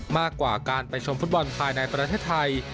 มากกว่าการไปชมฟุตบอลภายในประเทศไทย